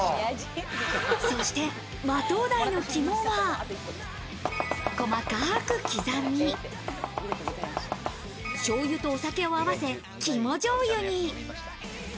そして、マトウダイの肝は細かく刻み、醤油とお酒を合わせ肝じょうゆに。